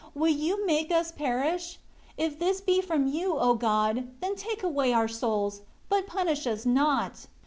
Will You make us perish? If this be from you, O God, then take away our souls; but punish us not."